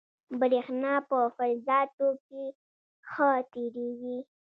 برېښنا په فلزاتو کې ښه تېرېږي.